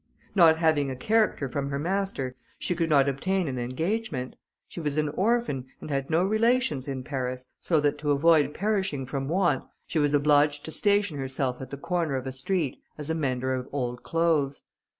Not having a character from her master, she could not obtain an engagement. She was an orphan, and had no relations in Paris, so that to avoid perishing from want, she was obliged to station herself at the corner of a street, as a mender of old clothes.